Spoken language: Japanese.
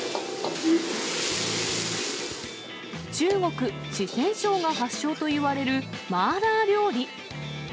中国・四川省が発祥といわれる麻辣料理。